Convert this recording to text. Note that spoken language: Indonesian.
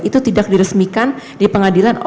itu tidak diresmikan di pengadilan